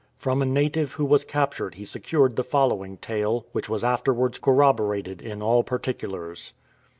From a native who was captured he secured the following tale, which was after wards corroborated in all particulars.